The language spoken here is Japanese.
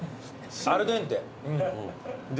アルデンテ。